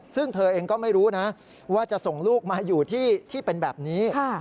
ซึ่งเธอเองก็ไม่รู้นะว่าจะส่งลูกมาอยู่ที่เป็นแบบนี้